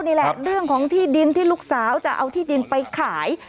นี่แหละเรื่องของที่ดินที่ลูกสาวจะเอาที่ดินไปขาย